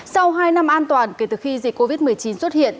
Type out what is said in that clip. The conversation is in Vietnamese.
sau hai năm an toàn kể từ khi dịch covid một mươi chín xuất hiện